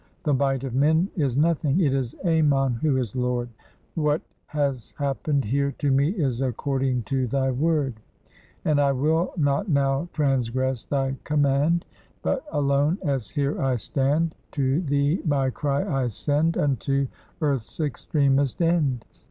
The might of men is nothing, it is Ammon who is lord, What has happened here to me is according to thy word, And I will not now trangress thy command ; But alone, as here I stand, To thee my cry I send, Unto earth's extremest end.